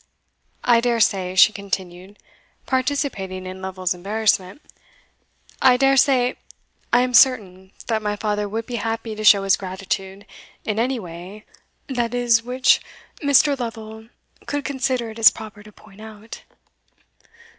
"I dare say," she continued, participating in Lovel's embarrassment "I dare say I am certain that my father would be happy to show his gratitude in any way that is, which Mr. Lovel could consider it as proper to point out."